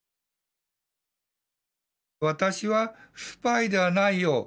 「私はスパイではないよ。